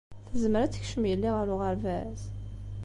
Tezmer ad tekcem yelli ɣer uɣerbaz?